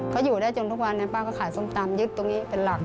เขาอยู่ได้จนทุกวันป้าก็ขายส้มตำยึดตรงนี้เป็นหลัก